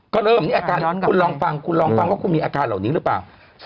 ก็เริ่มมีอาการคุณลองฟังคุณลองฟังว่าคุณมีอาการเหล่านี้หรือเปล่า